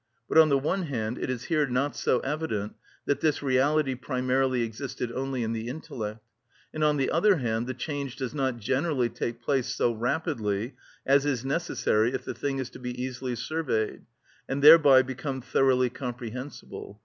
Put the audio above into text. But, on the one hand, it is here not so evident that this reality primarily existed only in the intellect; and, on the other hand, the change does not generally take place so rapidly as is necessary if the thing is to be easily surveyed, and thereby become thoroughly comprehensible.